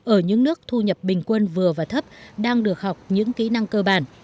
ở những nước thu nhập bình quân vừa và thấp đang được học những kỹ năng cơ bản